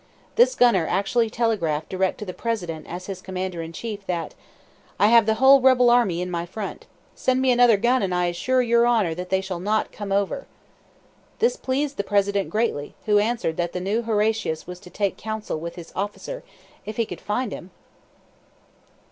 This gunner actually telegraphed direct to the President as his commander in chief that: "I have the whole rebel army in my front. Send me another gun, and I assure your honor that they shall not come over!" This pleased the President greatly, who answered that the new Horatius was to take counsel with his officer if he could find him!